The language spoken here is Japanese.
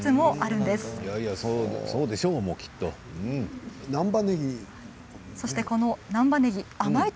そうでしょう、きっと。